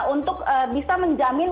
untuk bisa menjamin